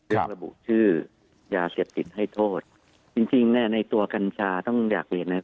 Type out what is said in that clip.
ระบุชื่อยาเสพติดให้โทษจริงจริงเนี่ยในตัวกัญชาต้องอยากเรียนนะครับ